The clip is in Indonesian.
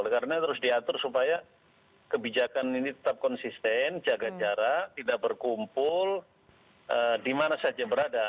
karena harus diatur supaya kebijakan ini tetap konsisten jaga jarak tidak berkumpul di mana saja berada